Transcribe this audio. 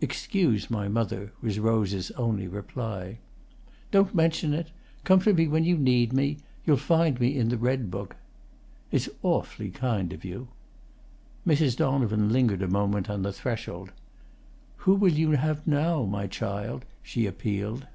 "Excuse my mother," was Rose's only reply. "Don't mention it. Come to me when you need me. You'll find me in the Red Book." "It's awfully kind of you." Mrs. Donovan lingered a moment on the threshold. "Who will you have now, my child?" she appealed.